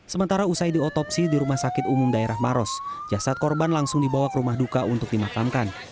sementara usai diotopsi di rumah sakit umum daerah maros jasad korban langsung dibawa ke rumah duka untuk dimakamkan